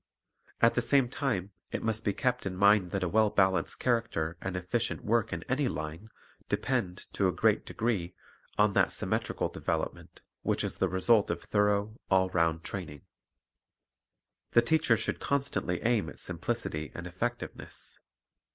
At the same time it must be kept in mind that a well balanced character and efficient work in any line depend, to a great degree, on that symmetrical development which is the result of thorough, all round training. The teacher should constantly aim at simplicity and effectiveness.